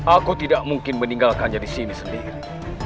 aku tidak mungkin meninggalkannya di sini sendiri